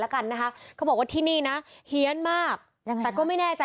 แล้วกันนะคะเขาบอกว่าที่นี่นะเฮียนมากยังไงแต่ก็ไม่แน่ใจ